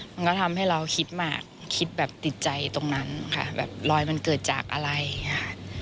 มันก็ทำให้เราคิดมากคิดแบบติดใจตรงนั้นค่ะแบบรอยมันเกิดจากอะไรอย่างนี้ค่ะ